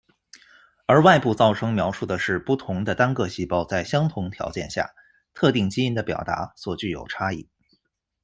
而外部噪声描述的是不同的单个细胞在相同条件下，特定基因的表达所具有差异。